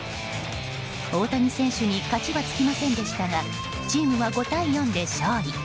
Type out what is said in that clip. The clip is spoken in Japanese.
大谷選手に勝ちは付きませんでしたがチームは５対４で勝利。